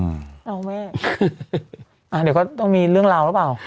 เอาแม่อ่าเดี๋ยวก็ต้องมีเรื่องราวหรือเปล่า